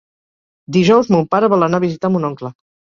Dijous mon pare vol anar a visitar mon oncle.